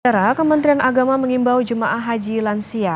era kementerian agama mengimbau jemaah haji lansia